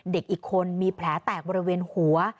อีกคนมีแผลแตกบริเวณหัว